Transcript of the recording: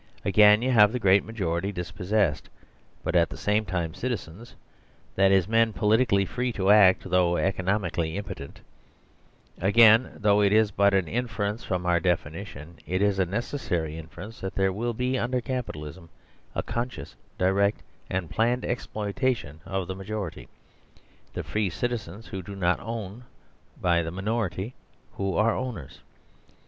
Again, you have the great majority dispossessed but at the same time citizens, that is, men politically free to act, though economically impotent ; again, though it is but an inference from our definition, it is a neces 81 6 THE SERVILE STATE sary inference that there will be under Capitalism a conscious, direct, and planned exploitation of the ma jority, the free citizens who do not own by the min ority who are owners.